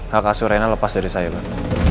hak asu rena lepas dari saya pak